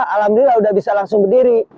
alhamdulillah udah bisa langsung berdiri